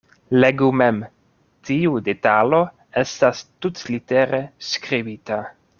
Legu mem: tiu detalo estas tutlitere skribita.